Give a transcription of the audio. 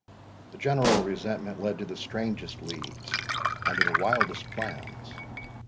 The general resentment led to the strangest leagues and to the wildest plans.